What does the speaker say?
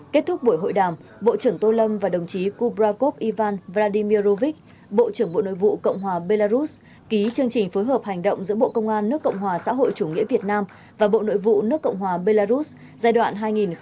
kết thúc buổi hội đàm bộ trưởng tô lâm và đồng chí kubrakov ivan vladimir rovich bộ trưởng bộ nội vụ cộng hòa belarus ký chương trình phối hợp hành động giữa bộ công an nước cộng hòa xã hội chủ nghĩa việt nam và bộ nội vụ nước cộng hòa belarus giai đoạn hai nghìn một mươi chín hai nghìn hai mươi